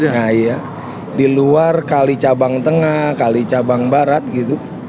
nah iya di luar kali cabang tengah kali cabang barat gitu